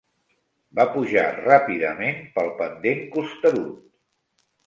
Va pujar ràpidament pel pendent costerut.